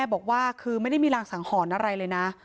พระเจ้าที่อยู่ในเมืองของพระเจ้า